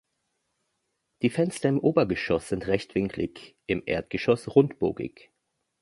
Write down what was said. Die Fenster im Obergeschoss sind rechtwinklig, im Erdgeschoss rundbogig.